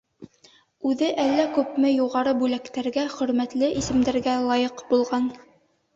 Үҙе әллә күпме юғары бүләктәргә, хөрмәтле исемдәргә лайыҡ булған.